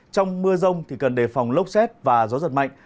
trong mưa rông thì cần đề phòng lốc xét và gió giật mạnh